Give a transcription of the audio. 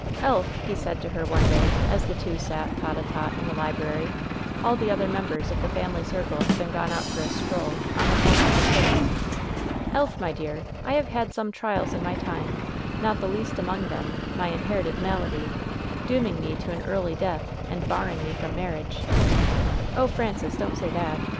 "Elf," he said to her one day, as the two sat tete Or tete in the library — all the other members of the family circle having gone out for a stroll on the tep of the cliffs — "Elf, my dear, I have had some trials in my time — not the least among them, my inherited malady, dooming me to an early death and barring me from marriage ^^ "Oh, Francis, donH say that!